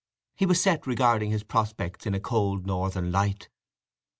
He was set regarding his prospects in a cold northern light.